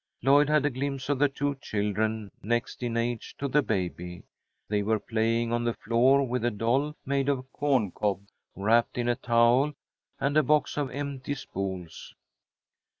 Lloyd had a glimpse of the two children next in age to the baby. They were playing on the floor with a doll made of a corn cob wrapped in a towel, and a box of empty spools.